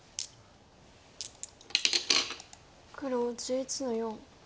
黒１１の四。